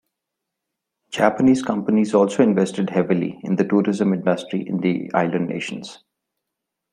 Japanese companies also invested heavily in the tourism industry in the island nations.